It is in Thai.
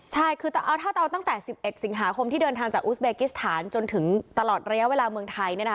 ใช่คือถ้าจะเอาตั้งแต่๑๑สิงหาคมที่เดินทางจากอุสเบกิสถานจนถึงตลอดระยะเวลาเมืองไทยเนี่ยนะคะ